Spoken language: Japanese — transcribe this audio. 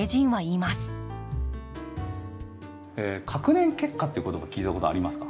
隔年結果っていう言葉聞いたことありますか？